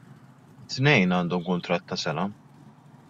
It-tnejn għandhom kuntratt ta' sena.